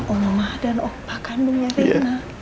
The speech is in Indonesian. om ma dan om pak kandungnya rena